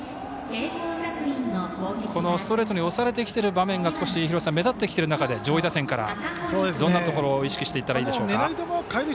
このストレートに押されてきている場面が目立ってきている中で上位打線からどんなところを意識していったらいいでしょうか。